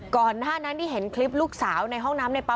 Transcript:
ก่อนหน้านั้นที่เห็นคลิปลูกสาวในห้องน้ำในป๊